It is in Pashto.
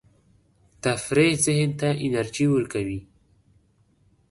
تفریح ذهن ته انرژي ورکوي.